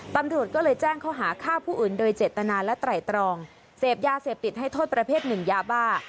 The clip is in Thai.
ตำรวจก็เลยแจ้งข้อหาฆ่าผู้อื่นโดยเจตนาและไตรตรองเสพยาเสพติดให้โทษประเภทหนึ่งยาบ้า